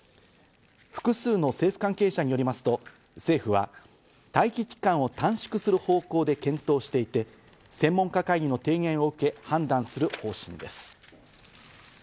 複数の政府関係者によりますと、政府は待機期間を短縮する方向で検討していて、専門家会議の提言を受け判断する方針です。